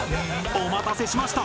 お待たせしました！